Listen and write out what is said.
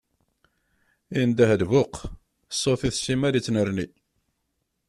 Indeh lbuq, ṣṣut-is simmal ittnerni.